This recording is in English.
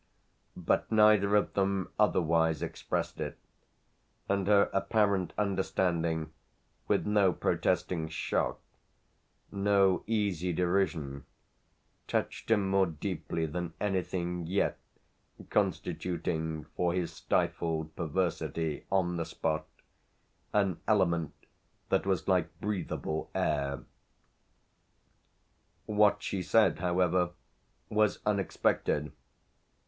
But neither of them otherwise expressed it, and her apparent understanding, with no protesting shock, no easy derision, touched him more deeply than anything yet, constituting for his stifled perversity, on the spot, an element that was like breatheable air. What she said however was unexpected.